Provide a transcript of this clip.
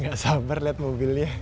gak sabar liat mobilnya